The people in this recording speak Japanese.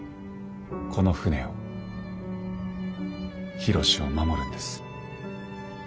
この船を緋炉詩を守るんです。